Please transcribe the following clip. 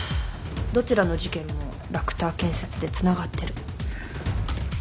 どちらの事件もラクター建設でつながってる。